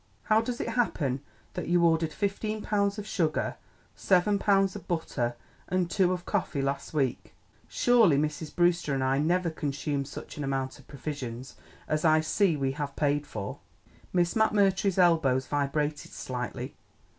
"How does it happen that you ordered fifteen pounds of sugar, seven pounds of butter and two of coffee last week? Surely Mrs. Brewster and I never consumed such an amount of provisions as I see we have paid for." Miss McMurtry's elbows vibrated slightly.